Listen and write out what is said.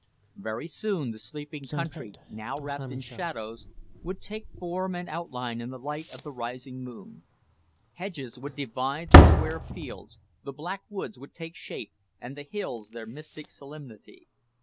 Very soon the sleeping country, now wrapped in shadows, would take form and outline in the light of the rising moon; hedges would divide the square fields, the black woods would take shape and the hills their mystic solemnity.